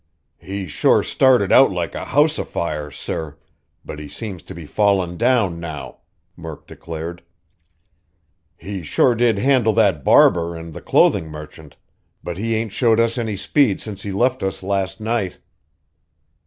"He sure started out like a house afire, sir, but he seems to be fallin' down now," Murk declared. "He sure did handle that barber and the clothin' merchant, but he ain't showed us any speed since he left us last night."